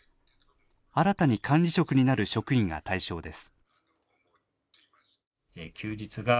新たに管理職になる職員が対象です。